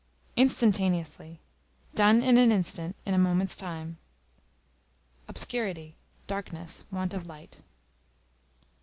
Instantaneously, done in an instant, in a moment's time. Obscurity, darkness, want of light.